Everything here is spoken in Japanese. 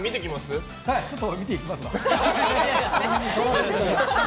ちょっと見ていきますわ。